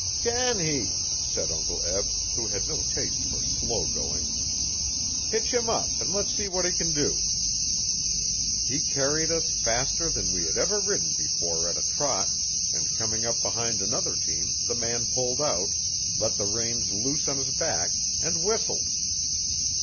'Can he?' said Uncle Eb, who had no taste for slow going. 'Hitch him up an' le's see what he can do.' He carried us faster than we had ever ridden before at a trot, and coming up behind another team the man pulled out, let the reins loose on his back, and whistled.